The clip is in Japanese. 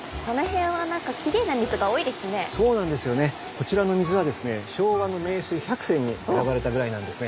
こちらの水はですね昭和の名水百選に選ばれたぐらいなんですね。